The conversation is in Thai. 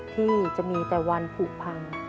ที่จะมีแต่วันผูกพัง